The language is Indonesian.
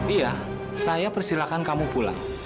iya saya persilahkan kamu pulang